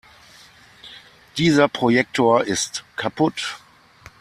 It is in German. Dieser Projektor ist kaputt.